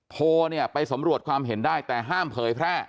โพลเนี่ยไปสำรวจความเห็นได้แต่ห้ามเผยแพร่